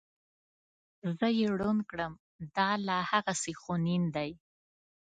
زه یې ړوند کړم دا لا هغسې خونین دی.